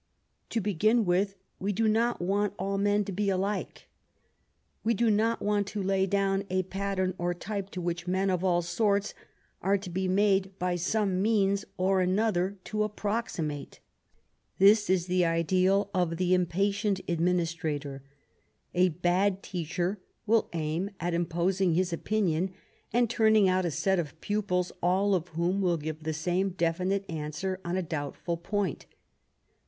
To begin with, we do not want all men to be alike. We do not want to lay down a pattern or type to which men of all sorts are to be made by some means or another to approximate. This is the ideal of the impatient administrator. A bad teacher will aim at imposing his opinion, and turning out a set of pupils all of whom will give the same definite answer on a doubtful point.